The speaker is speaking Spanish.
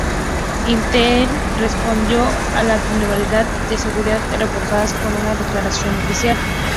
Intel respondió a las vulnerabilidades de seguridad reportadas con una declaración oficial.